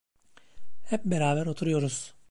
Hep beraber oturuyoruz.